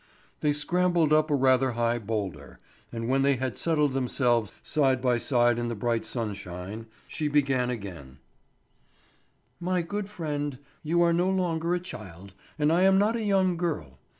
They scrambled up a rather high boulder, and when they had settled themselves side by side in the bright sunshine, she began again: "My good friend, you are no longer a child, and I am not a young girl.